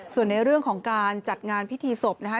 ส่วนในเรื่องของการจัดงานพิธีศพนะคะ